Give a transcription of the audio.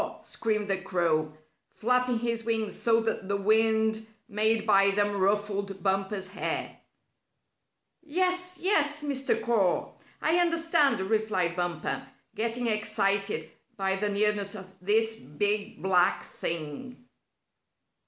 screamed the crow, flapping his wings so that the wind made by them ruffled Bumper's hair. "Yes, yes, Mr. Caw. I understand," replied Bumper, getting excited by the nearness of this big, black thing.